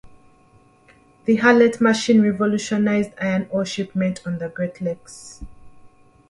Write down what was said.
The Hulett machine revolutionised iron ore shipment on the Great Lakes.